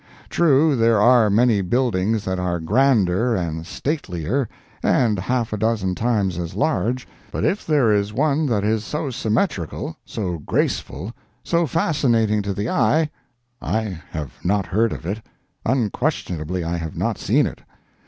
True, there are many buildings that are grander, and statelier, and half a dozen times as large, but if there is one that is so symmetrical, so graceful, so fascinating to the eye, I have not heard of it—unquestionably I have not seen it.